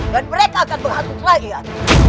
dan mereka akan berhantu keraian